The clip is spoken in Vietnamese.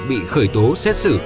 bị khởi tố xét xử